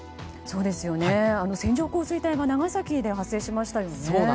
線状降水帯も長崎で発生しましたよね。